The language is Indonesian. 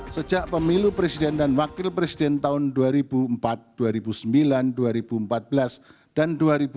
sejak pemilu presiden dan wakil presiden tahun dua ribu empat dua ribu sembilan dua ribu empat belas dan dua ribu sembilan belas